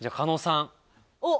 おっ！